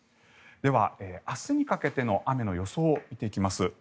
では、明日にかけての雨の予想を見ていきます。